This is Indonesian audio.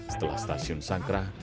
setelah stasiun sangkrah